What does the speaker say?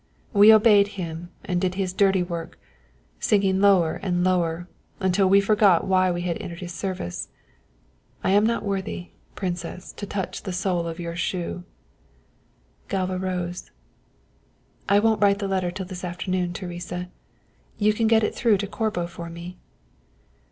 We obeyed him and did his dirty work, sinking lower and lower until we forgot why we had entered his service. I am not worthy, Princess, to touch the sole of your shoe." Galva rose. "I won't write the letter till this afternoon, Teresa. You can get it through to Corbo for me?"